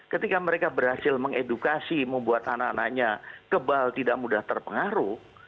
ketika mereka berhasil mengedukasi membuat anak anaknya kebal tidak mudah terpengaruh